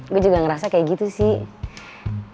gue juga ngerasa kayak gitu sih